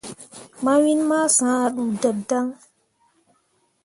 Mawin ma sã ah ɗuudeb dan.